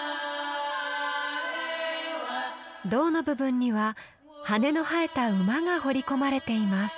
胴の部分には羽の生えた馬が彫り込まれています。